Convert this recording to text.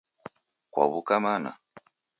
Kwaw'uka mana?